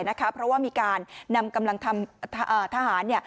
เพราะว่ามีการนำกำลังทำทหาร